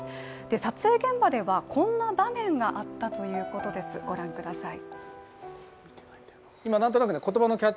撮影現場では、こんな場面があったということです、ご覧ください。